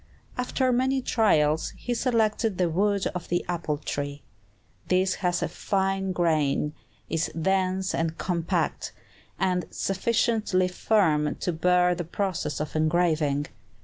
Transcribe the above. After many trials, he selected the wood of the apple tree. This has a fine grain, is dense and compact, and sufficiently firm to bear the process of engraving.